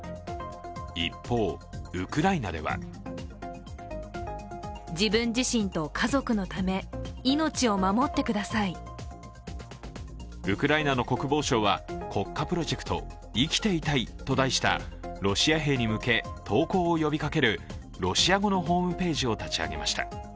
一方、ウクライナではウクライナの国防省は国家プロジェクト、「生きていたい」と題したロシア兵に向け投降を呼びかけるロシア語のホームページを立ち上げました。